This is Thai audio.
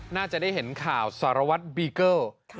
น่าจะได้เห็นข่าวสารวัตรบีเกิล